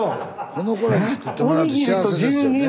この子らに作ってもらうって幸せですよねえ。